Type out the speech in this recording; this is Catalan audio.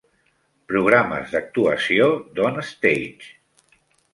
Programes d'actuació d'OnStage.